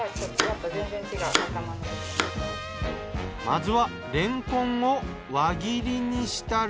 まずはれんこんを輪切りにしたら。